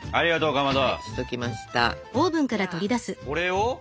かまど。